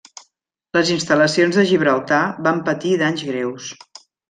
Les instal·lacions de Gibraltar van patir danys greus.